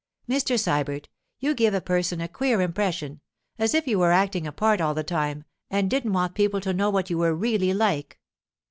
'Mr. Sybert, you give a person a queer impression, as if you were acting a part all the time, and didn't want people to know what you were really like.